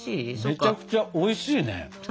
めちゃくちゃおいしいね。